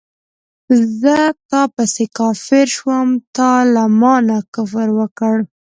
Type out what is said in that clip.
زه تا پسې کافر شوم تا له مانه کفر وکړ